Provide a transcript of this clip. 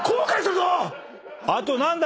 あと何だ？